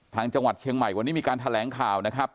จังหวัดเชียงใหม่วันนี้มีการแถลงข่าวนะครับ